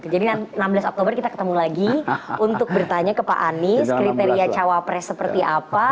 enam belas oktober kita ketemu lagi untuk bertanya ke pak anies kriteria cawapres seperti apa